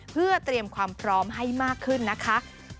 เพื่อเตรียมความพร้อมให้มากขึ้นนะคะ